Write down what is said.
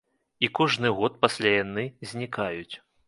І кожны год пасля яны знікаюць.